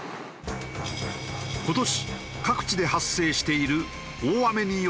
今年各地で発生している大雨による被害。